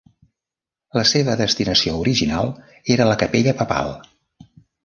La seva destinació original era la Capella papal.